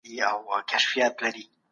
عدالت یوازي د بډایه خلګو لپاره نه دی.